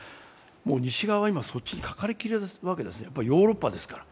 もう西側はそっちにかかりきりなわけです、ヨーロッパですから。